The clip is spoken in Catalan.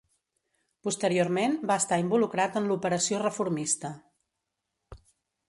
Posteriorment, va estar involucrat en l'operació reformista.